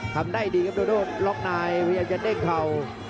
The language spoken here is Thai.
ทำได้ดีครับโดโดล็อกนายพยายามจะเด้งเข่า